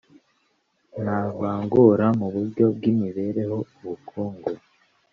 Nta vangura mu buryo bw imibereho ubukungu